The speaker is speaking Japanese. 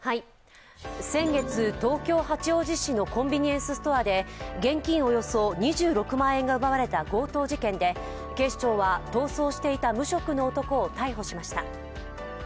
先月、東京・八王子市のコンビニエンスストアで現金およそ２６万円が奪われた強盗事件で警視庁は逃走していた無職の男を逮捕しました。